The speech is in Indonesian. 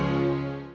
gak sepsis juga